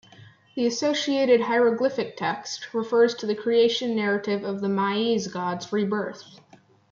The associated hieroglyphic text refers to the creation narrative of the Maize god's rebirth.